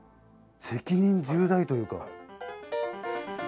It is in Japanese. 責任重大というか。